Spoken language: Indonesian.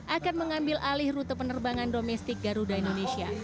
akan mengambil alih rute penanggalan